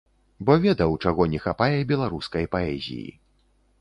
Бо ведаў, чаго не хапае беларускай паэзіі.